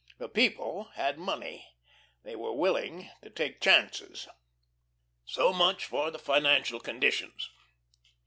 The People had money. They were willing to take chances. So much for the financial conditions.